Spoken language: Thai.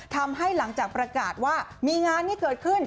หลังจากประกาศว่ามีงานนี้เกิดขึ้น